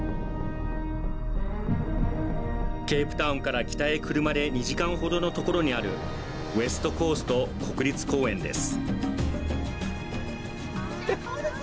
ケープタンから北へ車で２時間ほどの所にあるウエストコースト国立公園です。